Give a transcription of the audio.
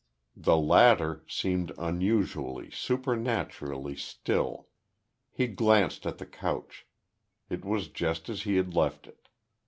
The latter seemed unusually, supernaturally still. He glanced at the couch. It was just as he had left it.